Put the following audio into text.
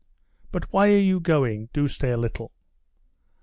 "But why are you going? Do stay a little."